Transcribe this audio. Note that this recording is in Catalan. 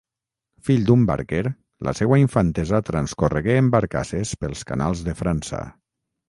Fill d'un barquer, la seua infantesa transcorregué en barcasses pels canals de França.